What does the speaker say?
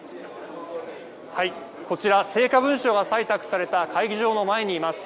こちら、成果文書が採択された会議場の前にいます。